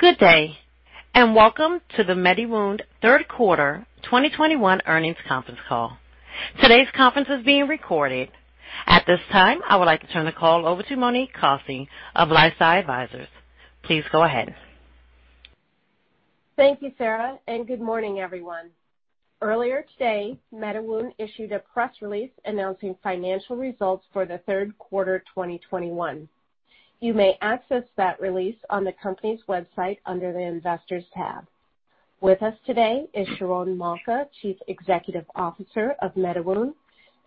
Good day, and Welcome to the MediWound third quarter 2021 earnings conference call. Today's conference is being recorded. At this time, I would like to turn the call over to Monique Kosse of LifeSci Advisors. Please go ahead. Thank you, Sarah, and good morning, everyone. Earlier today, MediWound issued a press release announcing financial results for the third quarter 2021. You may access that release on the company's website under the Investors tab. With us today is Sharon Malka, Chief Executive Officer of MediWound,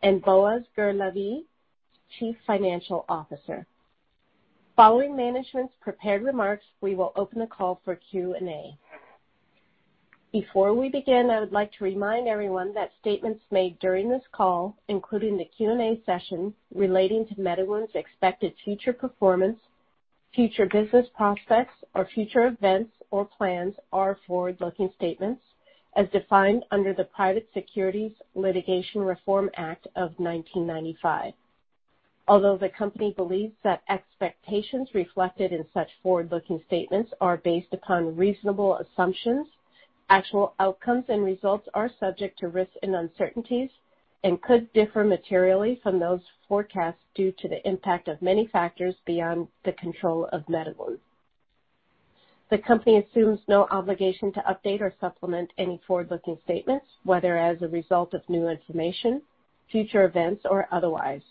and Boaz Gur-Lavie, Chief Financial Officer. Following management's prepared remarks, we will open the call for Q&A. Before we begin, I would like to remind everyone that statements made during this call, including the Q&A session, relating to MediWound's expected future performance, future business prospects, or future events or plans are forward-looking statements as defined under the Private Securities Litigation Reform Act of 1995. Although the company believes that expectations reflected in such forward-looking statements are based upon reasonable assumptions, actual outcomes and results are subject to risks and uncertainties and could differ materially from those forecasts due to the impact of many factors beyond the control of MediWound. The company assumes no obligation to update or supplement any forward-looking statements, whether as a result of new information, future events, or otherwise.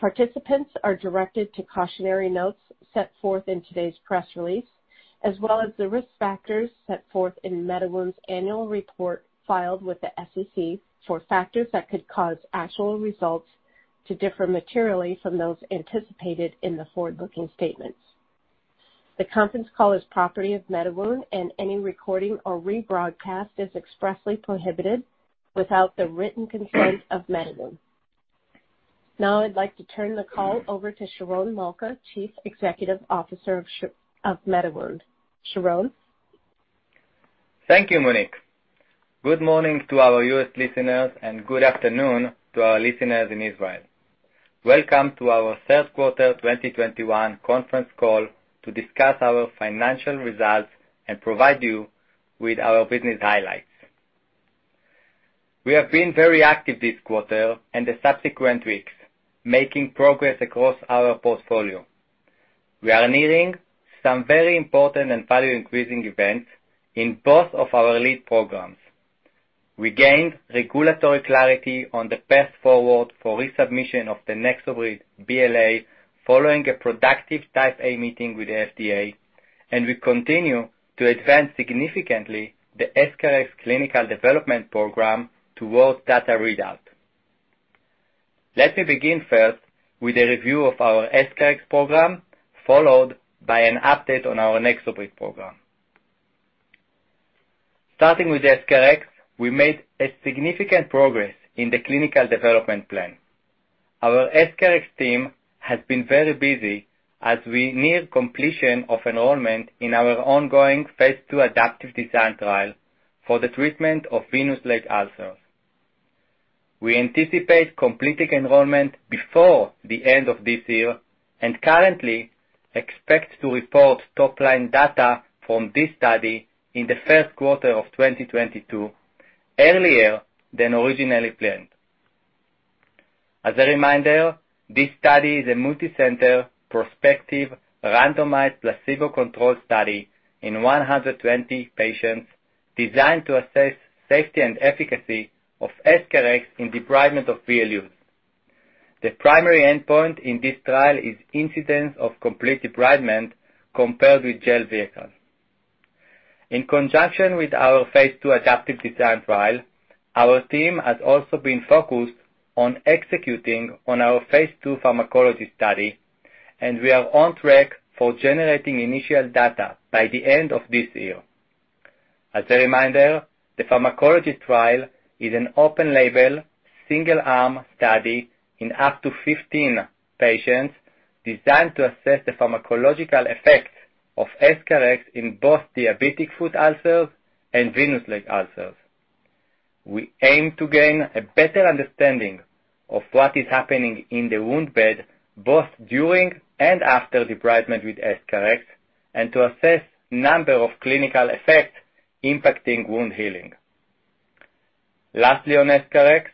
Participants are directed to cautionary notes set forth in today's press release, as well as the risk factors set forth in MediWound's annual report filed with the SEC for factors that could cause actual results to differ materially from those anticipated in the forward-looking statements. The conference call is property of MediWound, and any recording or rebroadcast is expressly prohibited without the written consent of MediWound. Now, I'd like to turn the call over to Sharon Malka, Chief Executive Officer of MediWound. Sharon? Thank you, Monique. Good morning to our U.S. listeners, and good afternoon to our listeners in Israel. Welcome to our third quarter 2021 conference call to discuss our financial results and provide you with our business highlights. We have been very active this quarter and the subsequent weeks, making progress across our portfolio. We are nearing some very important and value-increasing events in both of our lead programs. We gained regulatory clarity on the path forward for resubmission of the NexoBrid BLA following a productive Type A meeting with the FDA, and we continue to advance significantly the EscharEx clinical development program towards data readout. Let me begin first with a review of our EscharEx program, followed by an update on our NexoBrid program. Starting with EscharEx, we made a significant progress in the clinical development plan. Our EscharEx team has been very busy as we near completion of enrollment in our ongoing phase II adaptive design trial for the treatment of venous leg ulcers. We anticipate completing enrollment before the end of this year and currently expect to report top-line data from this study in the first quarter of 2022, earlier than originally planned. As a reminder, this study is a multicenter, prospective, randomized, placebo-controlled study in 120 patients designed to assess safety and efficacy of EscharEx in debridement of VLUs. The primary endpoint in this trial is incidence of complete debridement compared with gel vehicle. In conjunction with our phase II adaptive design trial, our team has also been focused on executing on our phase II pharmacology study, and we are on track for generating initial data by the end of this year. As a reminder, the pharmacology trial is an open-label, single-arm study in up to 15 patients designed to assess the pharmacological effects of EscharEx in both diabetic foot ulcers and venous leg ulcers. We aim to gain a better understanding of what is happening in the wound bed, both during and after debridement with EscharEx, and to assess a number of clinical effects impacting wound healing. Lastly, on EscharEx,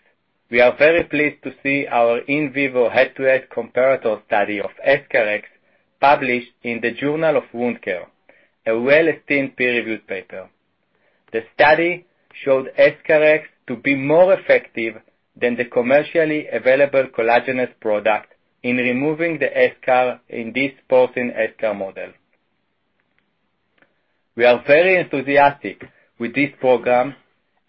we are very pleased to see our in vivo head-to-head comparator study of EscharEx published in the Journal of Wound Care, a well-esteemed peer-reviewed paper. The study showed EscharEx to be more effective than the commercially available collagenase product in removing the eschar in this porcine eschar model. We are very enthusiastic with this program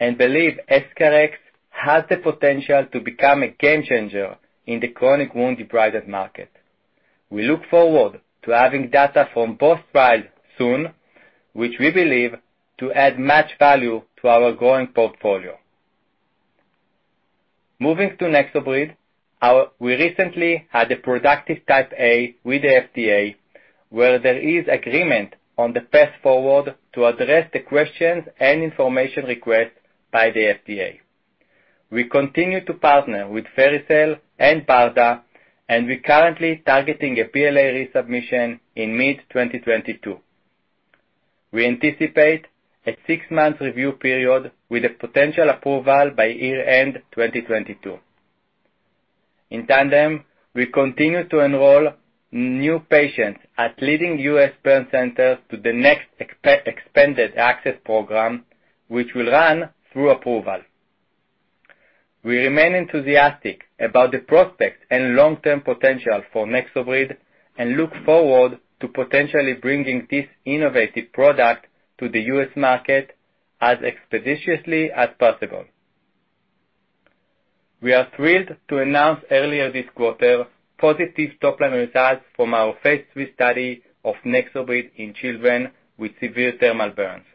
and believe EscharEx has the potential to become a game-changer in the chronic wound debridement market. We look forward to having data from both trials soon, which we believe to add much value to our growing portfolio. Moving to NexoBrid, we recently had a productive Type A with the FDA, where there is agreement on the path forward to address the questions and information requests by the FDA. We continue to partner with Vericel and BARDA, and we're currently targeting a BLA resubmission in mid-2022. We anticipate a six-month review period with a potential approval by year-end 2022. In tandem, we continue to enroll new patients at leading U.S. burn centers to the expanded access program, which will run through approval. We remain enthusiastic about the prospects and long-term potential for NexoBrid and look forward to potentially bringing this innovative product to the U.S. market as expeditiously as possible. We are thrilled to announce earlier this quarter, positive top-line results from our phase III study of NexoBrid in children with severe thermal burns,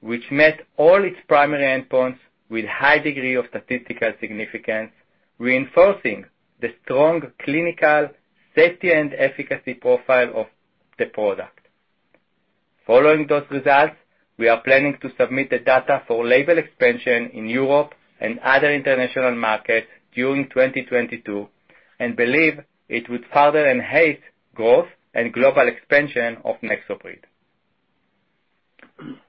which met all its primary endpoints with high degree of statistical significance, reinforcing the strong clinical safety and efficacy profile of the product. Following those results, we are planning to submit the data for label expansion in Europe and other international markets during 2022, and believe it would further enhance growth and global expansion of NexoBrid.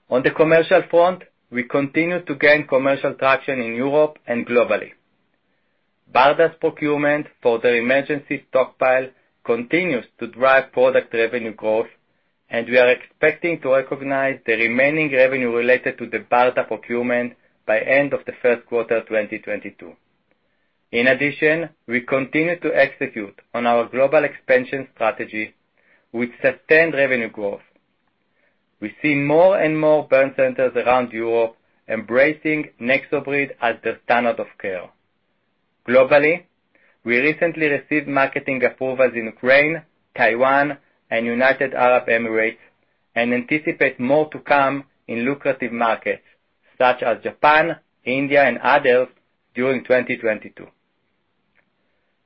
On the commercial front, we continue to gain commercial traction in Europe and globally. BARDA's procurement for their emergency stockpile continues to drive product revenue growth, and we are expecting to recognize the remaining revenue related to the BARDA procurement by end of the first quarter 2022. In addition, we continue to execute on our global expansion strategy with sustained revenue growth. We see more and more burn centers around Europe embracing NexoBrid as their standard of care. Globally, we recently received marketing approvals in Ukraine, Taiwan, and United Arab Emirates, and anticipate more to come in lucrative markets such as Japan, India, and others during 2022.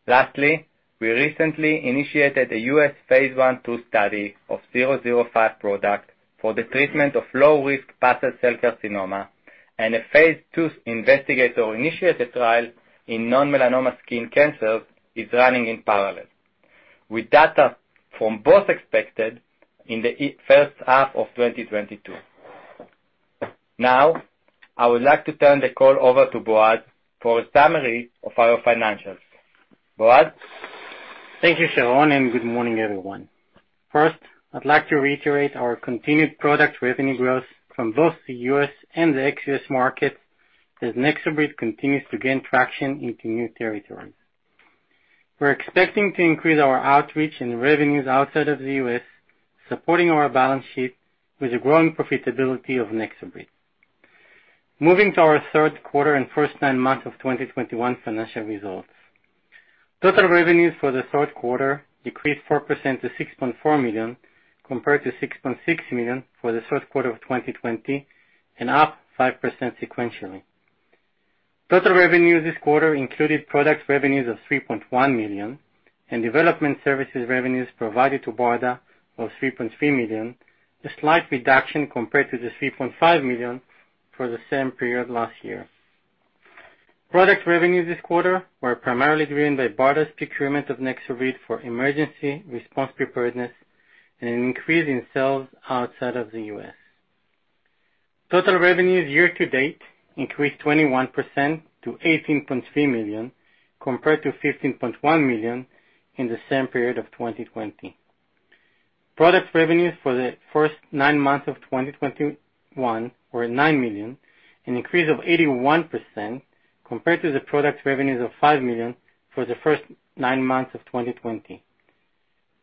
Lastly, we recently initiated a U.S. phase I/II study of MW005 for the treatment of low-risk basal cell carcinoma and a phase II investigator-initiated trial in non-melanoma skin cancers is running in parallel, with data from both expected in the first half of 2022. Now, I would like to turn the call over to Boaz Gur-Lavie for a summary of our financials. Boaz Gur-Lavie? Thank you, Sharon, and good morning, everyone. First, I'd like to reiterate our continued product revenue growth from both the U.S. and the ex-US markets, as NexoBrid continues to gain traction into new territories. We're expecting to increase our outreach and revenues outside of the U.S., supporting our balance sheet with the growing profitability of NexoBrid. Moving to our third quarter and first nine months of 2021 financial results. Total revenues for the third quarter decreased 4% to $6.4 million, compared to $6.6 million for the third quarter of 2020, and up 5% sequentially. Total revenues this quarter included product revenues of $3.1 million and development services revenues provided to BARDA of $3.3 million, a slight reduction compared to the $3.5 million for the same period last year. Product revenues this quarter were primarily driven by BARDA's procurement of NexoBrid for emergency response preparedness and an increase in sales outside of the U.S. Total revenues year to date increased 21% to $18.3 million, compared to $15.1 million in the same period of 2020. Product revenues for the first nine months of 2021 were $9 million, an increase of 81% compared to the product's revenues of $5 million for the first nine months of 2020.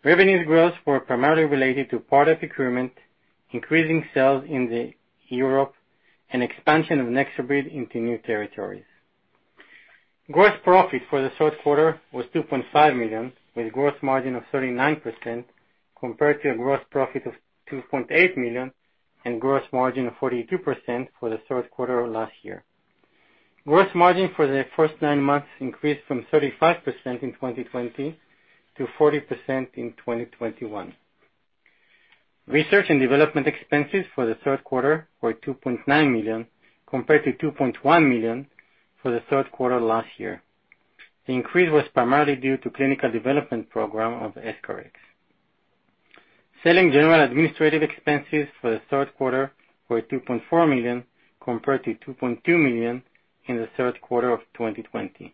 Revenues growth were primarily related to product procurement, increasing sales in Europe, and expansion of NexoBrid into new territories. Gross profit for the third quarter was $2.5 million, with gross margin of 39%, compared to a gross profit of $2.8 million and gross margin of 42% for the third quarter of last year. Gross margin for the first nine months increased from 35% in 2020 to 40% in 2021. Research and development expenses for the third quarter were $2.9 million, compared to $2.1 million for the third quarter last year. The increase was primarily due to clinical development program of EscharEx. Selling general administrative expenses for the third quarter were $2.4 million, compared to $2.2 million in the third quarter of 2020.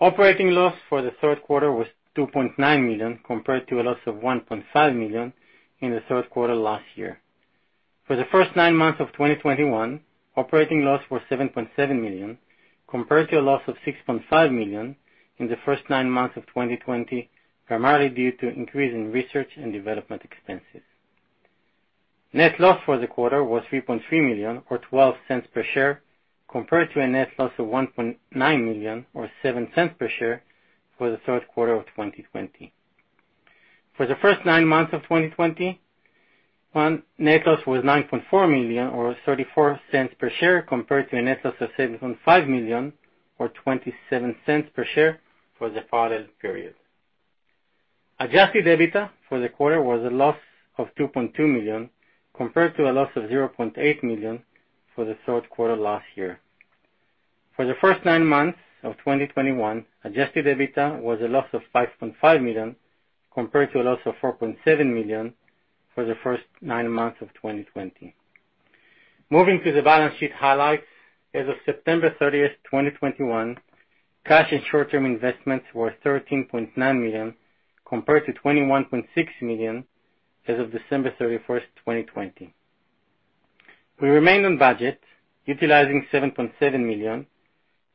Operating loss for the third quarter was $2.9 million, compared to a loss of $1.5 million in the third quarter last year. For the first nine months of 2021, operating loss was $7.7 million, compared to a loss of $6.5 million in the first nine months of 2020, primarily due to increase in research and development expenses. Net loss for the quarter was $3.3 million or $0.12 per share, compared to a net loss of $1.9 million or $0.07 per share for the third quarter of 2020. For the first nine months of 2020, net loss was $9.4 million or $0.34 per share, compared to a net loss of $7.5 million or $0.27 per share for the prior period. Adjusted EBITDA for the quarter was a loss of $2.2 million, compared to a loss of $0.8 million for the third quarter last year. For the first nine months of 2021, adjusted EBITDA was a loss of $5.5 million, compared to a loss of $4.7 million for the first nine months of 2020. Moving to the balance sheet highlights. As of September 30th, 2021, cash and short-term investments were $13.9 million, compared to $21.6 million as of December 31st, 2020. We remained on budget, utilizing $7.7 million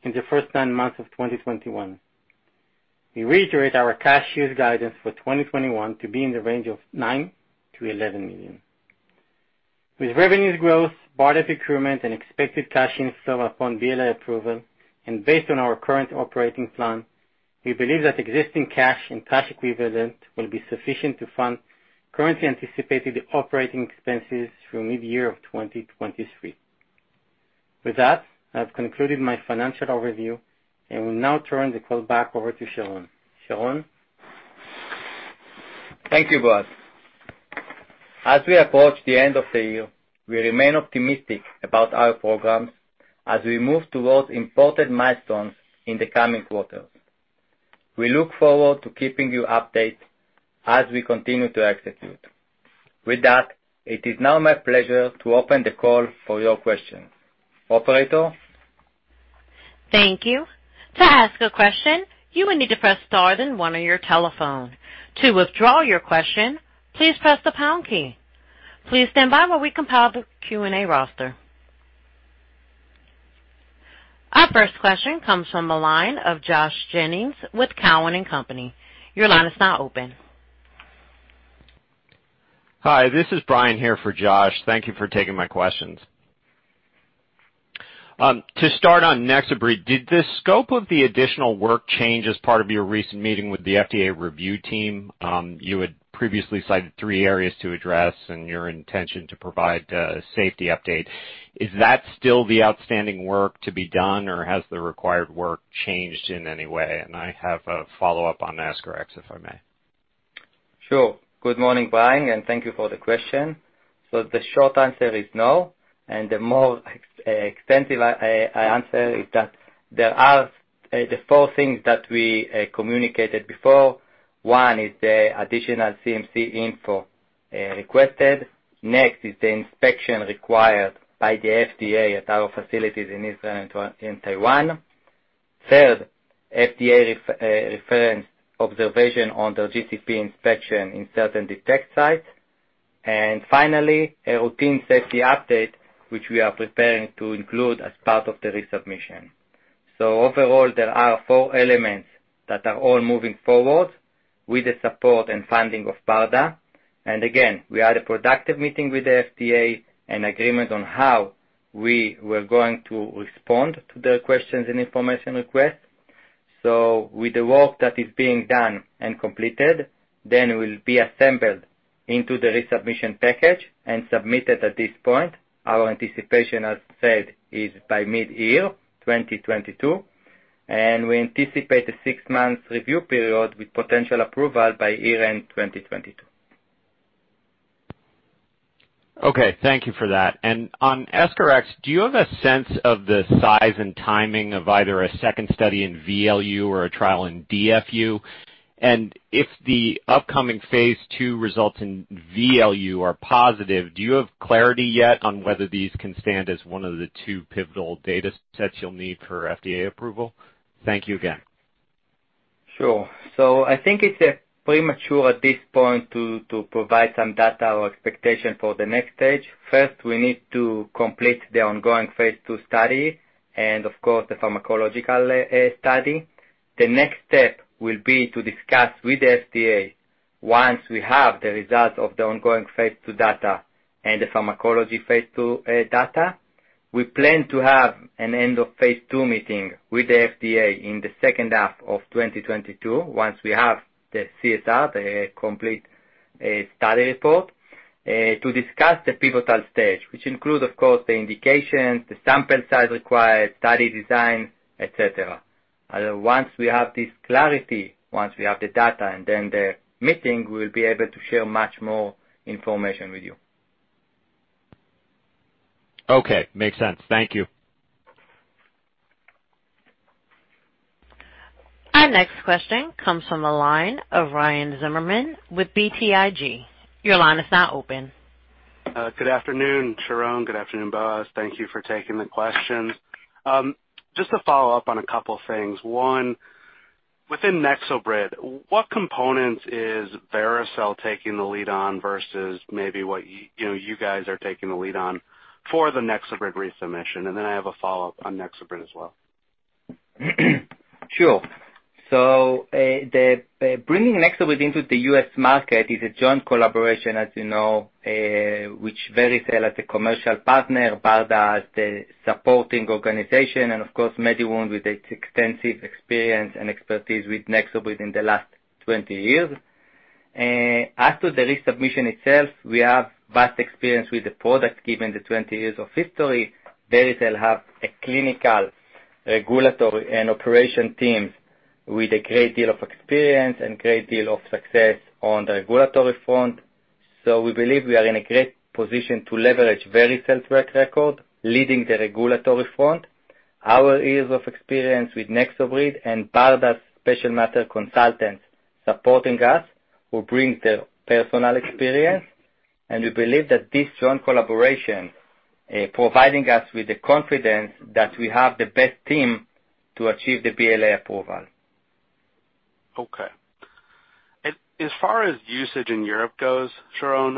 in the first nine months of 2021. We reiterate our cash use guidance for 2021 to be in the range of $9 million-$11 million. With revenue growth, BARDA procurement, and expected cash inflow upon BLA approval, and based on our current operating plan, we believe that existing cash and cash equivalents will be sufficient to fund currently anticipated operating expenses through mid-year of 2023. With that, I've concluded my financial overview and will now turn the call back over to Sharon. Sharon? Thank you, Boaz. As we approach the end of the year, we remain optimistic about our programs as we move toward important milestones in the coming quarters. We look forward to keeping you updated as we continue to execute. With that, it is now my pleasure to open the call for your questions. Operator? Thank you. To ask a question, you will need to press star then one on your telephone. To withdraw your question, please press the pound key. Please stand by while we compile the Q&A roster. Our first question comes from the line of Josh Jennings with Cowen and Company. Your line is now open. Hi, this is Brian here for Josh. Thank you for taking my questions. To start on NexoBrid, did the scope of the additional work change as part of your recent meeting with the FDA review team? You had previously cited three areas to address and your intention to provide safety update. Is that still the outstanding work to be done, or has the required work changed in any way? I have a follow-up on EscharEx, if I may. Sure. Good morning, Brian, and thank you for the question. The short answer is no, and the more extensive answer is that there are the four things that we communicated before. One is the additional CMC info requested. Next is the inspection required by the FDA at our facilities in Israel and Taiwan. Third, FDA reference observation on their GCP inspection in certain DETECT sites. Finally, a routine safety update, which we are preparing to include as part of the resubmission. Overall, there are four elements that are all moving forward with the support and funding of BARDA. Again, we had a productive meeting with the FDA and agreement on how we were going to respond to their questions and information request. With the work that is being done and completed, then will be assembled into the resubmission package and submitted at this point. Our anticipation, as said, is by mid-year 2022, and we anticipate a six-month review period with potential approval by year-end 2022. Okay. Thank you for that. On EscharEx, do you have a sense of the size and timing of either a second study in VLU or a trial in DFU? If the upcoming phase II results in VLU are positive, do you have clarity yet on whether these can stand as one of the two pivotal data sets you'll need for FDA approval? Thank you again. Sure. I think it's premature at this point to provide some data or expectation for the next stage. First, we need to complete the ongoing phase II study and of course, the pharmacological study. The next step will be to discuss with the FDA once we have the results of the ongoing phase II data and the pharmacology phase II data. We plan to have an end of phase II meeting with the FDA in the second half of 2022, once we have the CSR, the complete study report to discuss the pivotal stage, which includes, of course, the indications, the sample size required, study design, et cetera. Once we have this clarity, once we have the data and then the meeting, we'll be able to share much more information with you. Okay. Makes sense. Thank you. Our next question comes from the line of Ryan Zimmerman with BTIG. Your line is now open. Good afternoon, Sharon. Good afternoon, Boaz. Thank you for taking the question. Just to follow up on a couple things. One, within NexoBrid, what components is Vericel taking the lead on versus maybe what you know, you guys are taking the lead on for the NexoBrid resubmission? I have a follow-up on NexoBrid as well. Sure. Bringing NexoBrid into the U.S. market is a joint collaboration, as you know, with Vericel as a commercial partner, BARDA as the supporting organization, and of course, MediWound with its extensive experience and expertise with NexoBrid in the last 20 years. As to the resubmission itself, we have vast experience with the product given the 20 years of history. Vericel has clinical, regulatory and operations teams with a great deal of experience and great deal of success on the regulatory front. We believe we are in a great position to leverage Vericel's track record on the regulatory front. Our years of experience with NexoBrid and part of that special medical consultants supporting us will bring their personal experience, and we believe that this strong collaboration providing us with the confidence that we have the best team to achieve the BLA approval. Okay. As far as usage in Europe goes, Sharon,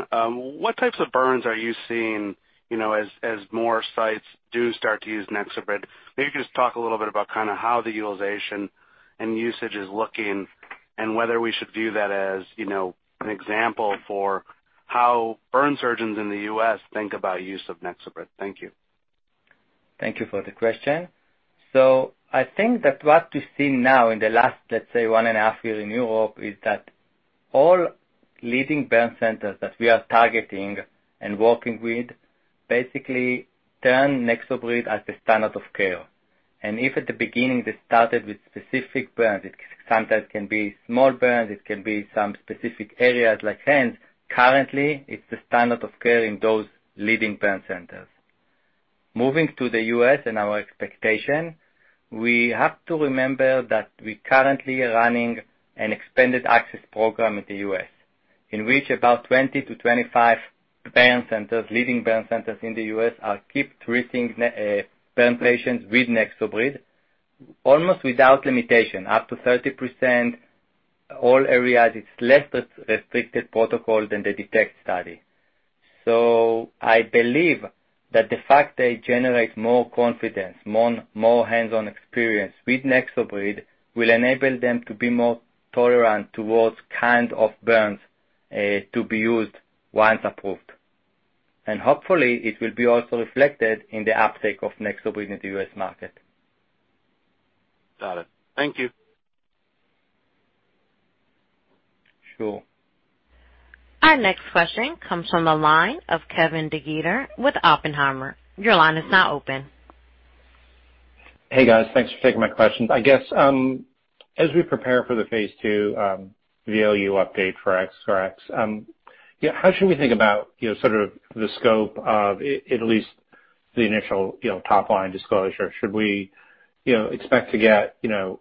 what types of burns are you seeing, you know, as more sites do start to use NexoBrid? Maybe just talk a little bit about kinda how the utilization and usage is looking and whether we should view that as, you know, an example for how burn surgeons in the U.S. think about use of NexoBrid. Thank you. Thank you for the question. I think that what we've seen now in the last, let's say, 1.5 years in Europe is that all leading burn centers that we are targeting and working with basically turn NexoBrid as the standard of care. If at the beginning, they started with specific burns, it sometimes can be small burns, it can be some specific areas like hands. Currently, it's the standard of care in those leading burn centers. Moving to the U.S. and our expectation, we have to remember that we currently are running an expanded access program in the U.S., in which about 20-25 burn centers, leading burn centers in the U.S. keep treating burn patients with NexoBrid almost without limitation, up to 30%. All areas is less restricted protocol than the DETECT study. I believe that the fact they generate more confidence, more hands-on experience with NexoBrid will enable them to be more tolerant toward kinds of burns, to be used once approved. Hopefully, it will be also reflected in the uptake of NexoBrid in the U.S. market. Got it. Thank you. Sure. Our next question comes from the line of Kevin DeGeeter with Oppenheimer. Your line is now open. Hey, guys. Thanks for taking my questions. I guess, as we prepare for the phase II VLU update for EscharEx, yeah, how should we think about, you know, sort of the scope of at least the initial, you know, top line disclosure? Should we, you know, expect to get, you know,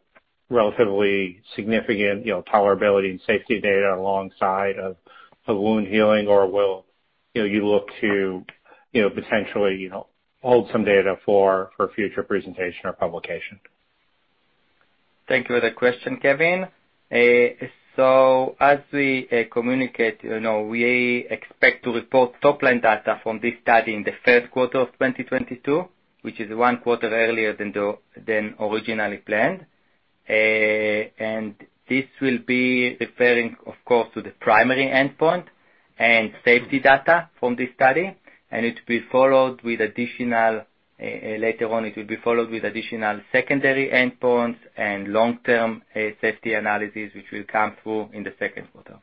relatively significant, you know, tolerability and safety data alongside of wound healing, or will, you know, you look to, you know, potentially, you know, hold some data for future presentation or publication? Thank you for the question, Kevin. So as we communicate, you know, we expect to report top-line data from this study in the first quarter of 2022, which is one quarter earlier than originally planned. This will be referring, of course, to the primary endpoint and safety data from this study. It will be followed with additional secondary endpoints and long-term safety analysis, which will come through in the second quarter.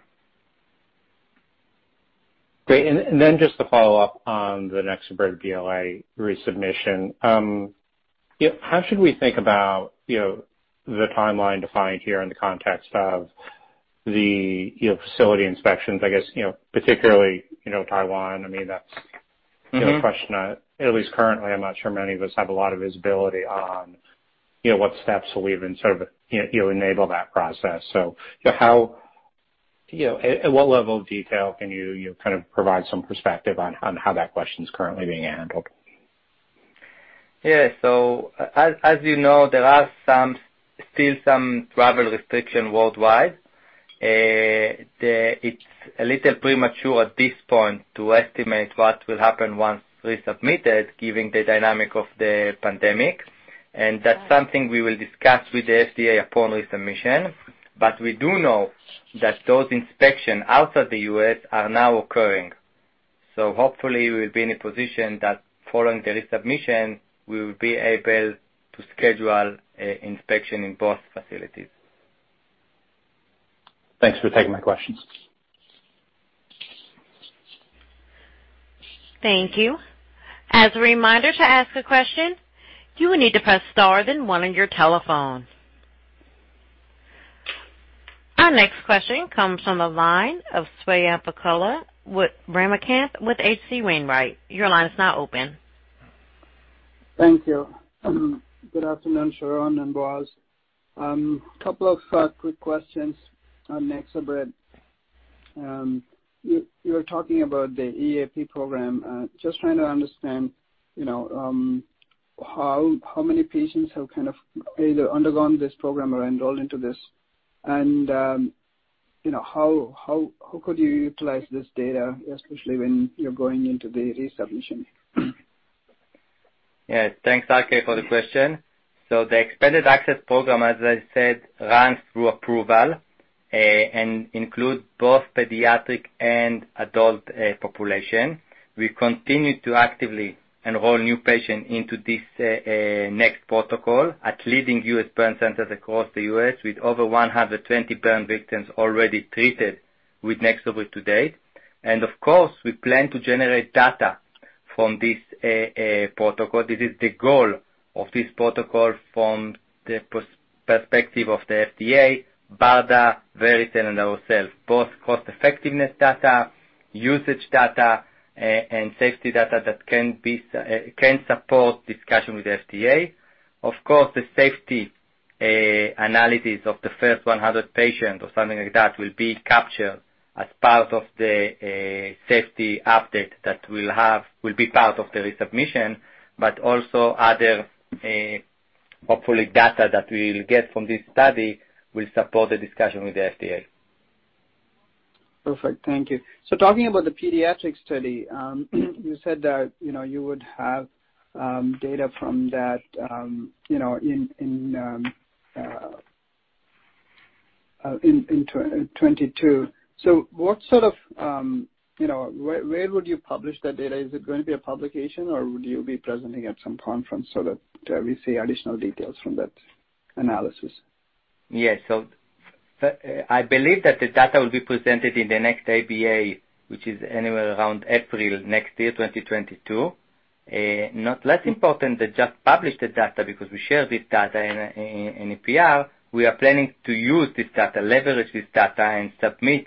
Great. Just to follow up on the NexoBrid BLA resubmission, how should we think about, you know, the timeline defined here in the context of the, you know, facility inspections, I guess, you know, particularly, you know, Taiwan, I mean, that's- Mm-hmm. You know, a question that at least currently, I'm not sure many of us have a lot of visibility on, you know, what steps will even sort of enable that process. How you know, at what level of detail can you kind of provide some perspective on how that question's currently being handled? As you know, there are still some travel restrictions worldwide. It's a little premature at this point to estimate what will happen once resubmitted given the dynamics of the pandemic. That's something we will discuss with the FDA upon resubmission. We do know that those inspections outside the U.S. are now occurring. Hopefully, we'll be in a position that following the resubmission, we will be able to schedule inspections in both facilities. Thanks for taking my questions. Thank you. As a reminder to ask a question, you will need to press star then one on your telephone. Our next question comes from the line of Swayampakula Ramakanth with H.C. Wainwright. Your line is now open. Thank you. Good afternoon, Sharon and Boaz. Couple of quick questions on NexoBrid. You were talking about the EAP program. Just trying to understand, you know, how many patients have kind of either undergone this program or enrolled into this and, you know, how could you utilize this data, especially when you're going into the resubmission? Yeah. Thanks, RK, for the question. The expanded access program, as I said, runs through approval and includes both pediatric and adult population. We continue to actively enroll new patients into this next protocol at leading U.S. burn centers across the U.S. with over 120 burn victims already treated with NexoBrid to date. We plan to generate data from this protocol. This is the goal of this protocol from the perspective of the FDA, BARDA, Vericel, and ourselves, both cost effectiveness data, usage data, and safety data that can support discussion with the FDA. The safety analysis of the first 100 patients or something like that will be captured as part of the safety update that will be part of the resubmission. Also other, hopefully data that we'll get from this study will support the discussion with the FDA. Perfect. Thank you. Talking about the pediatric study, you said that, you know, you would have data from that, you know, in 2022. What sort of, you know, where would you publish that data? Is it going to be a publication, or would you be presenting at some conference so that we see additional details from that analysis? I believe that the data will be presented in the next ABA, which is anywhere around April next year, 2022. Not less important to just publish the data because we share this data in April. We are planning to use this data, leverage this data, and submit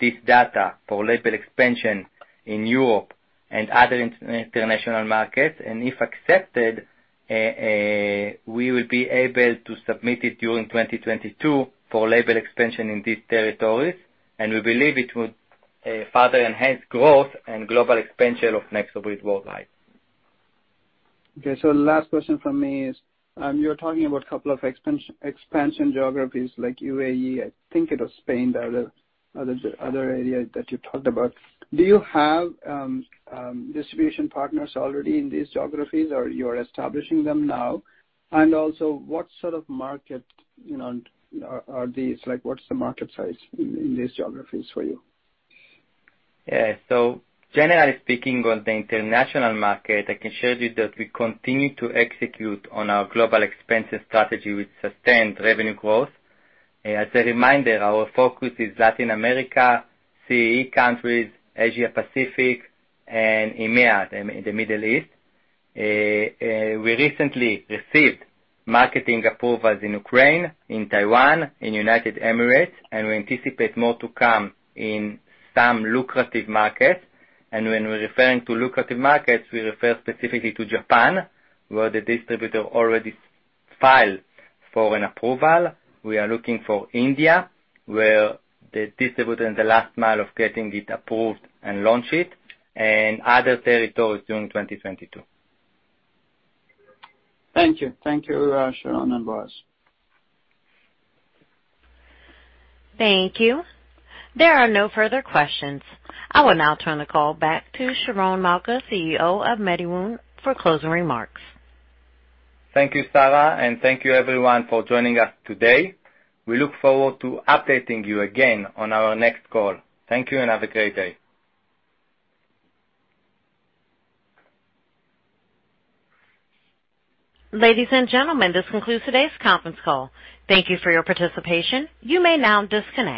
this data for label expansion in Europe and other international markets. If accepted, we will be able to submit it during 2022 for label expansion in these territories, and we believe it would further enhance growth and global expansion of NexoBrid worldwide. Okay. Last question from me is, you're talking about a couple of expansion geographies like UAE, I think it was Taiwan, the other area that you talked about. Do you have distribution partners already in these geographies, or you're establishing them now? Also, what sort of market, you know, are these like what's the market size in these geographies for you? Yeah. Generally speaking, on the international market, I can share with you that we continue to execute on our global expansion strategy with sustained revenue growth. As a reminder, our focus is Latin America, CIS countries, Asia-Pacific, and EMEA, the Middle East. We recently received marketing approvals in Ukraine, in Taiwan, in United Arab Emirates, and we anticipate more to come in some lucrative markets. When we're referring to lucrative markets, we refer specifically to Japan, where the distributor already filed for an approval. We are looking for India, where the distributor in the last mile of getting it approved and launch it, and other territories during 2022. Thank you. Thank you, Sharon and Boaz. Thank you. There are no further questions. I will now turn the call back to Sharon Malka, CEO of MediWound, for closing remarks. Thank you, Sarah, and thank you everyone for joining us today. We look forward to updating you again on our next call. Thank you and have a great day. Ladies and gentlemen, this concludes today's conference call. Thank you for your participation. You may now disconnect.